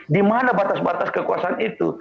di mana batas batas kekuasaan itu